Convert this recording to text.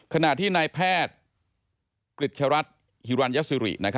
ขณะที่นายแพทย์กริจชะรัฐฮิรันยสิริ